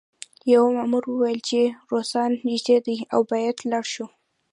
یوه مامور وویل چې روسان نږدې دي او باید لاړ شو